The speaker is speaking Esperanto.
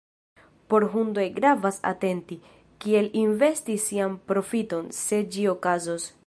Por Hundoj gravas atenti, kiel investi sian profiton, se ĝi okazos.